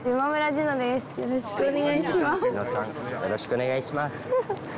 よろしくお願いします。